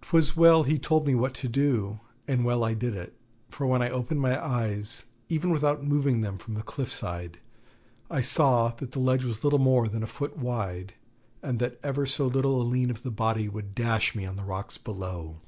'Twas well he told me what to do, and well I did it; for when I opened my eyes, even without moving them from the cliff side, I saw that the ledge was little more than a foot wide, and that ever so little a lean of the body would dash me on the rocks below.